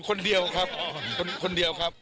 คนเดียวครับคนเดียวครับ